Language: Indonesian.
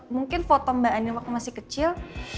mungkin foto mbak ani waktu masih kecil